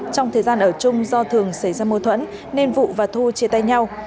trong thời gian ở chung do thường xảy ra mối thuẫn nên vũ và thu chia tay nhau